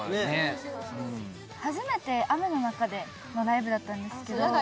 初めて雨の中でのライブだったんですけど。